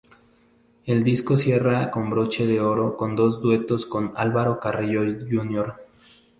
El disco cierra con broche de oro con dos duetos con Alvaro Carrillo Jr.